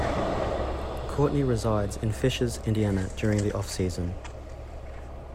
Courtney resides in Fishers, Indiana during the off-season.